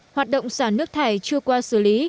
hoạt động sản nước thải chưa qua xử lý